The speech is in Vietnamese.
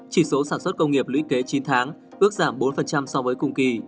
chỉ số sản xuất công nghiệp lũy kế chín tháng ước giảm bốn so với cùng kỳ